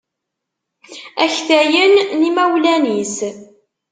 Aktayen n yimawlan-is.